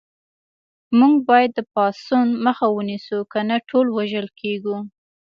موږ باید د پاڅون مخه ونیسو کنه ټول وژل کېږو